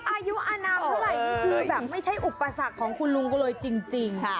อายุอนามเท่าไหร่นี่คือแบบไม่ใช่อุปสรรคของคุณลุงก็เลยจริง